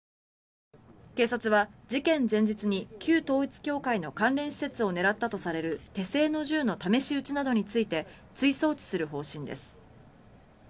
警察は事件前日に旧統一教会の関連施設を狙ったとされる手製の銃の試し撃ちなどについて追送致する方針です。